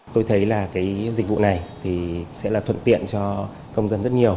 tôi thấy là cái dịch vụ này thì sẽ là thuận tiện cho công dân rất nhiều